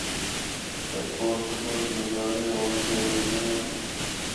رائے کوٹ تو بعد نظارے ہو جئے ہوندے ہن۔